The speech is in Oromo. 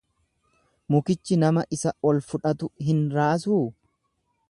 Mukkichi nama isa ol fudhatu hin raasuu?